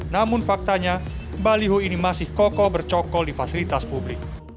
namun faktanya baliho ini masih kokoh bercokol di fasilitas publik